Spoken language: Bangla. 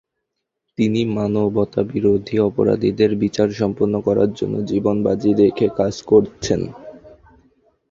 তিনি মানবতাবিরোধী অপরাধীদের বিচার সম্পন্ন করার জন্য জীবন বাজি রেখে কাজ করছেন।